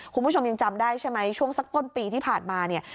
คุณผู้ชมยังจำได้ใช่ไหมช่วงสักต้นปีที่ผ่านมาเนี่ย